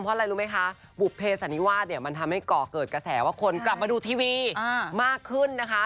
เพราะอะไรรู้ไหมคะบุภเพสันนิวาสเนี่ยมันทำให้ก่อเกิดกระแสว่าคนกลับมาดูทีวีมากขึ้นนะคะ